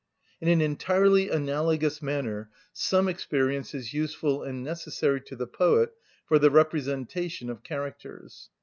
In an entirely analogous manner some experience is useful and necessary to the poet for the representation of characters.